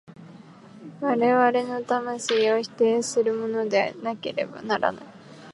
我々の魂を否定するものでなければならない。